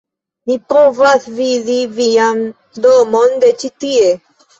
"mi povas vidi vian domon de ĉi-tie!"